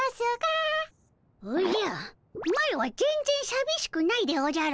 おじゃマロはぜんぜんさびしくないでおじゃる。